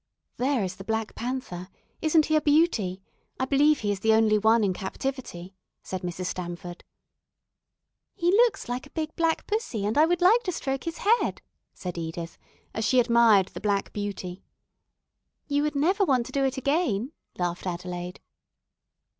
"There is the Black Panther. Isn't he a beauty? I believe he is the only one in captivity," said Mrs. Stamford. "He looks like a big black pussy, and I would like to stroke his head," said Edith, as she admired the black beauty. "You would never want to do it again," laughed Adelaide.